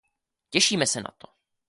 Těšíme se na to.